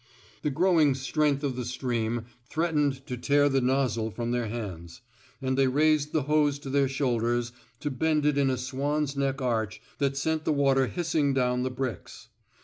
The growing strength of the stream threat ened to tear the nozzle from their hands, and they raised the hose to their shoulders to bend it in a swan's neck arch that sent the water hissing down the bricks.